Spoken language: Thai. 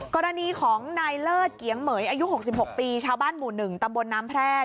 กรณีของนายเลิศเกียงเหม๋ยอายุ๖๖ปีชาวบ้านหมู่๑ตำบลน้ำแพร่